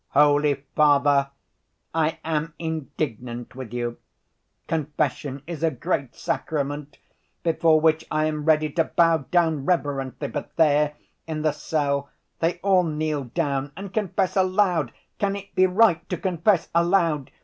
Holy Father, I am indignant with you. Confession is a great sacrament, before which I am ready to bow down reverently; but there in the cell, they all kneel down and confess aloud. Can it be right to confess aloud?